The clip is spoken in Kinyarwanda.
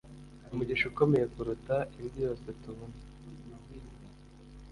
Umugisha ukomeye kuruta indi yose tubona